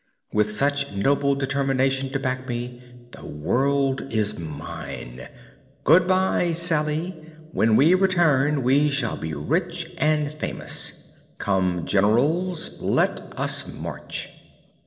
With such noble determination to back me, the world is mine! Good bye, Salye. When we return we shall be rich and famous. Come, Generals; let us march."